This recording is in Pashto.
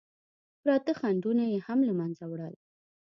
پراته خنډونه یې هم له منځه وړل.